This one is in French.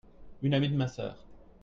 Une amie de ma sœur.